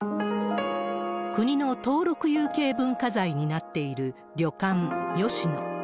国の登録有形文化財になっている旅館芳野。